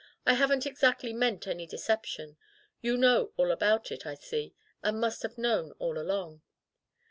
"I haven't exactly meant any deception. You know all about it, I see, and must have known all along."